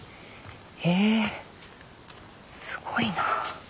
へえすごいな。